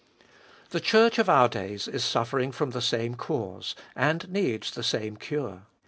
The Church of our days is suffering from the same cause, and needs the same cure.